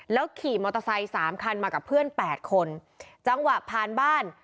ขี่มอเตอร์ไซค์สามคันมากับเพื่อนแปดคนจังหวะผ่านบ้าน